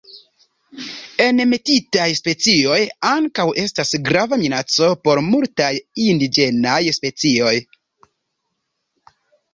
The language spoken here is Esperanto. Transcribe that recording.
Enmetitaj specioj ankaŭ estas grava minaco por multaj indiĝenaj specioj.